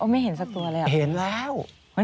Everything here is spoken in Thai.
ไม่เห็นสักตัวเลยอ่ะเห็นแล้ว